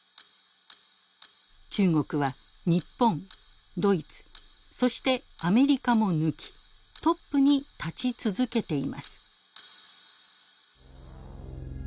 中国は日本ドイツそしてアメリカも抜きトップに立ち続けています。